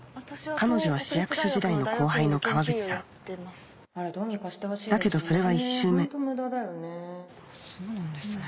彼女は市役所時代の後輩の河口さんだけどそれは１周目そうなんですね。